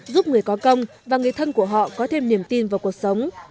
giúp người có công và người thân của họ có thêm niềm tin vào cuộc sống